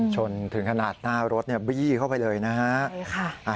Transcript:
ถึงขนาดหน้ารถบี้เข้าไปเลยนะฮะ